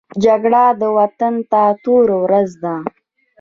جګړه وطن ته توره ورځ ده